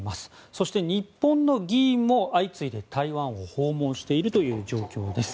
そして、日本の議員も相次いで台湾を訪問しているという状況です。